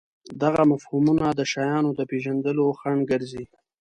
دغه مفهومونه د شیانو د پېژندلو خنډ ګرځي.